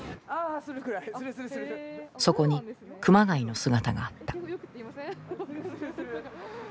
そこに熊谷の姿があった。